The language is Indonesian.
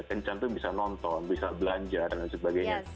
kencan tuh bisa nonton bisa belanja dan sebagainya